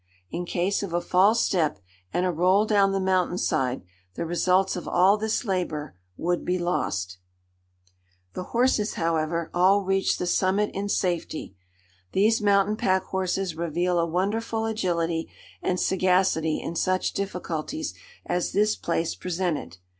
In case of a false step and a roll down the mountain side, the results of all this labor would be lost. [Illustration: THE "BAY."] The horses, however, all reached the summit in safety. These mountain pack horses reveal a wonderful agility and sagacity in such difficulties as this place presented.